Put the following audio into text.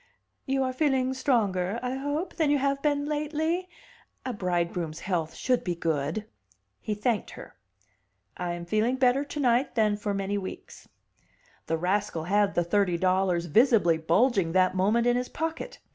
"You are feeling stronger, I hope, than you have been lately? A bridegroom's health should be good." He thanked her. "I am feeling better to night than for many weeks." The rascal had the thirty dollars visibly bulging that moment in his pocket.